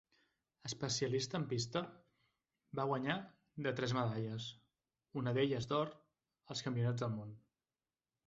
Especialista en pista, va guanyar de tres medalles, una d'elles d'or als Campionats del Món.